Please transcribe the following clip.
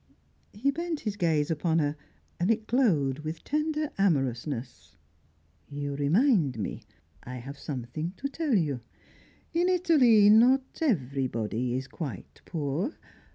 He bent his gaze upon her, and it glowed with tender amorousness. "You remind me I have something to tell you. In Italy, not everybody is quite poor.